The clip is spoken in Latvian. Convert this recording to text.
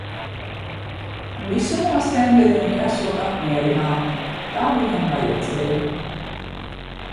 Visumā stendenieki esot apmierināti, tā viņam vajadzēja.